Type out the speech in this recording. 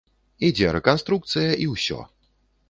Ідзе рэканструкцыя, і ўсё.